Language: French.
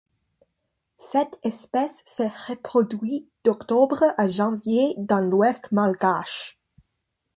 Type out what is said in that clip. Cette espèce se reproduit d'octobre à janvier dans l'ouest malgache.